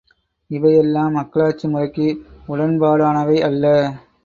இவையெல்லாம் மக்களாட்சி முறைக்கு உடன்பாடானவை அல்ல.